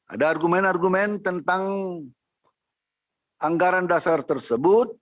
ada argumen argumen tentang anggaran dasar tersebut